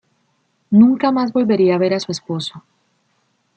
Nunca más volvería a ver a su esposo.